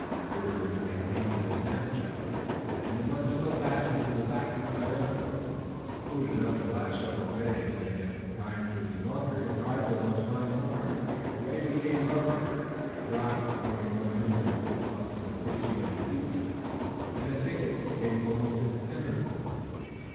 Food was contained in his knapsack and the one still fastened to the back of Tayoga, food enough to last several days, and if the time should be longer his rifle must find more. The way became rougher, the rocks growing more numerous, the slopes increasing in steepness, and the thickets becoming almost impenetrable.